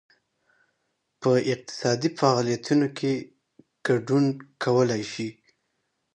په اقتصادي فعالیتونو کې ګډون کولای شي.